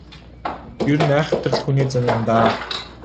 Ер нь айхавтар л хүний зан даа.